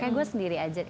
kayak gue sendiri aja